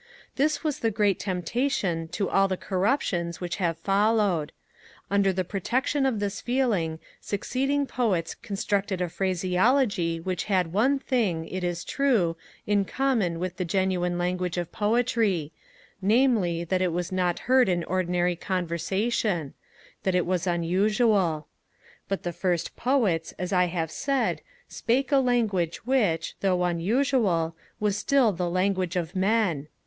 This was the great temptation to all the corruptions which have followed: under the protection of this feeling succeeding Poets constructed a phraseology which had one thing, it is true, in common with the genuine language of poetry, namely, that it was not heard in ordinary conversation; that it was unusual. But the first Poets, as I have said, spake a language which, though unusual, was still the language of men.